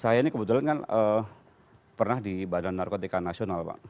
saya ini kebetulan kan pernah di badan narkotika nasional pak